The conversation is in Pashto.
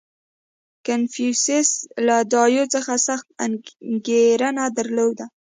• کنفوسیوس له دایو څخه سخته انګېرنه درلوده.